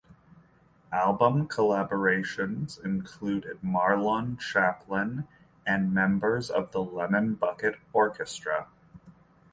Album collaborations included Marlon Chaplin and members of The Lemon Bucket Orkestra.